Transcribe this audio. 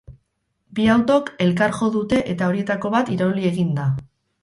Bi autok elkar jo dute, eta horietako bat irauli egin da.